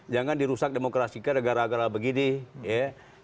jangan dirusak demokrasikan negara negara begini ya